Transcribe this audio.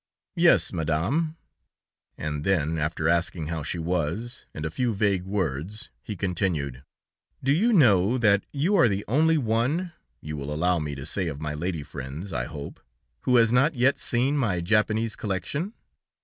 "Yes, Madame." And then, after asking how she was, and a few vague words, he continued: "Do you know that you are the only one you will allow me to say of my lady friends, I hope? who has not yet seen my Japanese collection."